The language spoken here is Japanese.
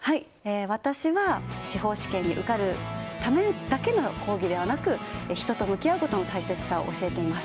私は、司法試験に受かるためだけの講義ではなく人と向き合うことの大切さを教えています。